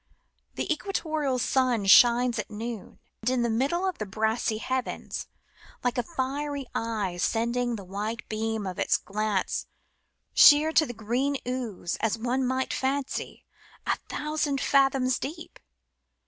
The Equatorial sun shines at noon, in the middle of the brassy heavens, like a fiery eye sending the white beam of its glance sheer to the green ooze, as one might fancy, a thousand fathoms deep.